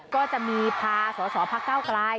ก็จะมีพาสาวพระเก้ากลาย